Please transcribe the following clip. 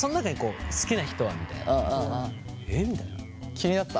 気になった？